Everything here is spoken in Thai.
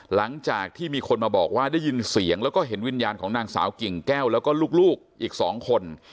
หลังจากที่มีคนมาบอกว่าได้ยินเสียงแล้วก็เห็นวิญญาณของนางสาวกิ่งแก้วแล้วก็ลูกอีก๒คน